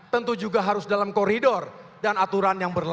tentu juga harus dalam koridor dan aturan yang berlaku